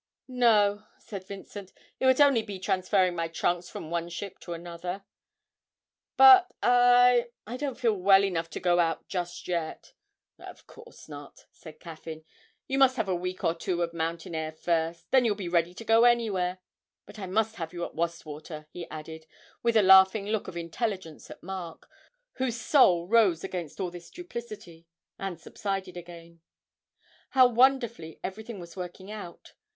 'No,' said Vincent; 'it would only be transferring my trunks from one ship to another; but I I don't feel well enough to go out just yet.' 'Of course not,' said Caffyn; 'you must have a week or two of mountain air first, then you'll be ready to go anywhere; but I must have you at Wastwater,' he added, with a laughing look of intelligence at Mark, whose soul rose against all this duplicity and subsided again. How wonderfully everything was working out!